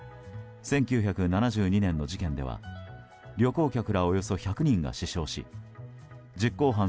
１９７２年の事件では旅行客らおよそ１００人が死傷し実行犯